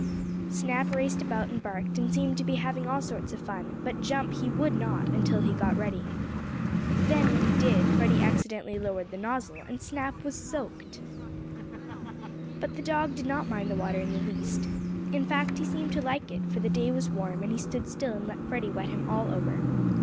Snap raced about and barked, and seemed to be having all sorts of fun, but jump he would not until he got ready. Then, when he did Freddie accidentally lowered the nozzle and Snap was soaked. But the dog did not mind the water in the least. In fact he seemed to like it, for the day was warm, and he stood still and let Freddie wet him all over.